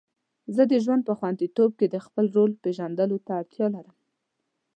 زه د ژوند په خوندیتوب کې د خپل رول پیژندلو ته اړتیا لرم.